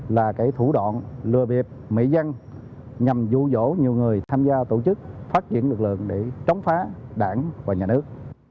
là thủ đoạn lừa biệp mỹ dân nhằm dụ dỗ nhiều người tham gia tổ chức phát triển lực lượng để trống phá đảng và nhà nước